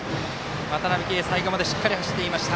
渡辺憩、最後までしっかり走っていました。